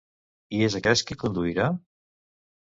I és aquest qui conduirà?